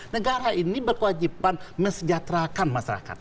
negara ini berkewajiban mesejahterakan masyarakat